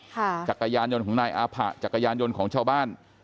จักรยานยนต์ของนายอาผะจักรยานยนต์ของชาวบ้าน